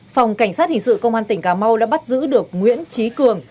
phòng cảnh sát hình sự công an tỉnh cà mau đã bắt giữ được nguyễn trí cường